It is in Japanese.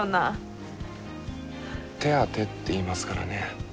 手当てって言いますからね。